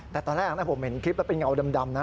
แต่ตอนแรกนะผมเห็นคลิปแล้วเป็นเงาดำนะ